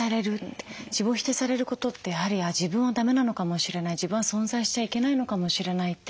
自分を否定されることってやはり自分はだめなのかもしれない自分は存在しちゃいけないのかもしれないって。